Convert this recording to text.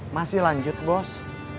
masih lanjut bos